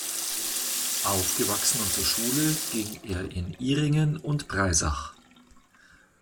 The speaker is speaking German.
Aufgewachsen und zur Schule ging er in Ihringen und Breisach.